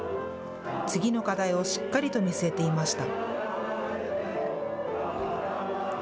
次の課題をしっかりと見据えていました。